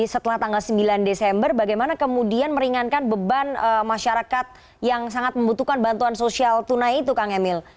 setelah tanggal sembilan desember bagaimana kemudian meringankan beban masyarakat yang sangat membutuhkan bantuan sosial tunai itu kang emil